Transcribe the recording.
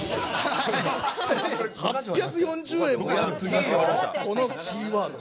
８４０円も安いこのキーワード。